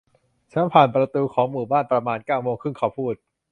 ฉันผ่านประตูของหมู่บ้านประมาณเก้าโมงครึ่ง เขาพูด